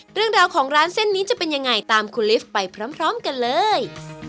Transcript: เรื่องราวของร้านเส้นนี้จะเป็นยังไงตามคุณลิฟต์ไปพร้อมกันเลย